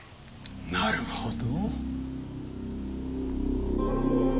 なるほど。